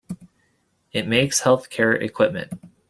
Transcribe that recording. It makes health care equipment.